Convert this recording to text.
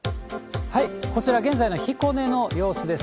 こちら、現在の彦根の様子です。